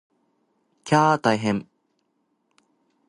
きゃー大変！